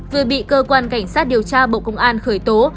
vừa bị cơ quan cảnh sát điều tra bộ công an khởi tố